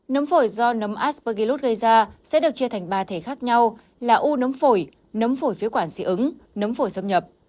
nấm phổi do nấm aspergillus gây ra sẽ được chia thành ba thể khác nhau là u nấm phổi nấm phổi phía quản xị ứng nấm phổi xâm nhập